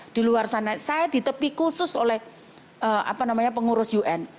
di luar sana saya di tepi khusus oleh pengurus un